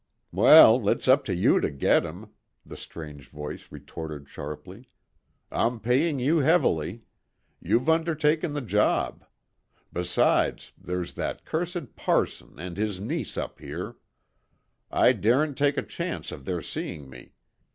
"Well, it's up to you to get him," the strange voice retorted sharply. "I'm paying you heavily. You've undertaken the job. Besides, there's that cursed parson and his niece up here. I daren't take a chance of their seeing me.